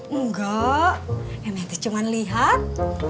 enggak aku cuma lihat